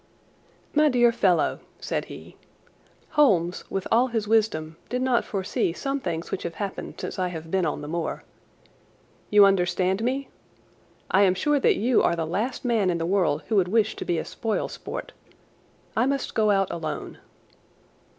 "My dear fellow," said he, "Holmes, with all his wisdom, did not foresee some things which have happened since I have been on the moor. You understand me? I am sure that you are the last man in the world who would wish to be a spoil sport. I must go out alone."